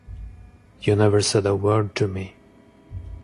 You never said a word to me.